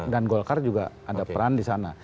dan golkar juga ada peran di sana